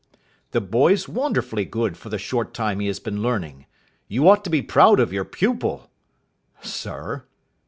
"The boy's wonderfully good for the short time he has been learning. You ought to be proud of your pupil." "Sir?"